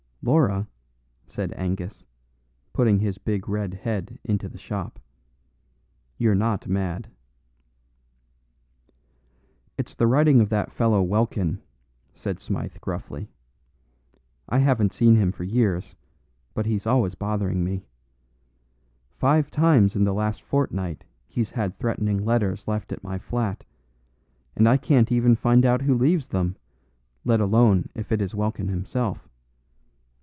"Laura," said Angus, putting his big red head into the shop, "you're not mad." "It's the writing of that fellow Welkin," said Smythe gruffly. "I haven't seen him for years, but he's always bothering me. Five times in the last fortnight he's had threatening letters left at my flat, and I can't even find out who leaves them, let alone if it is Welkin himself.